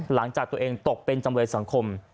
หลังจากตัวเองตกเป็นจำเลยสังคม